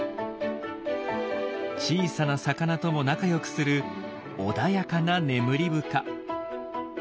小さな魚とも仲良くする穏やかなネムリブカ。